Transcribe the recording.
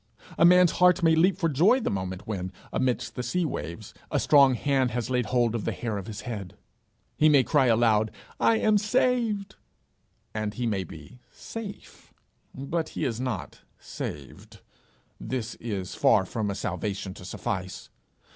A man's heart may leap for joy the moment when, amidst the sea waves, a strong hand has laid hold of the hair of his head; he may cry aloud, 'I am saved;' and he may be safe, but he is not saved; this is far from a salvation to suffice.